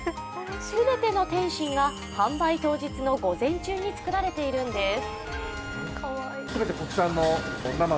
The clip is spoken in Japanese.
全ての点心が販売当日の午前中に作られているんです。